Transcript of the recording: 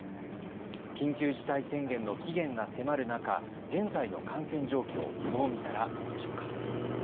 緊急事態宣言の期限が迫る中、現在の感染状況、どう見たらいいんでしょうか。